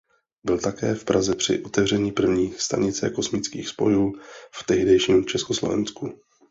Byl také v Praze při otevření první stanice kosmických spojů v tehdejším Československu.